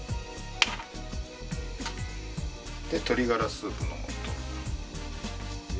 で、鶏ガラスープのもと。